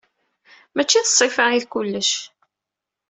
Mačči d ṣṣifa i d kullec.